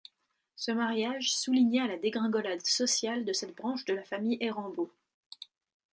Ce mariage souligna la dégringolade sociale de cette branche de la famille Errembault.